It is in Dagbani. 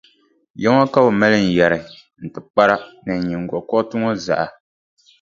Ya ŋɔ ka bɛ maali n yɛri, n tibikpara ni n nyiŋgokɔriti ŋɔ zaa.